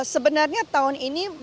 sebenarnya tahun ini menyebutkan untuk sma